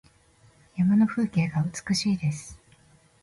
山の風景が美しいです。